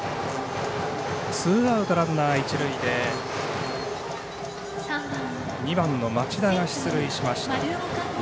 ツーアウト、ランナー、一塁で２番の町田が出塁しました。